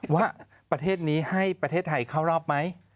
ว่าประเทศนี้ให้ประเทศไทยเข้ารอบไหม